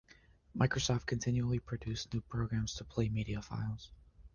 Microsoft continually produced new programs to play media files.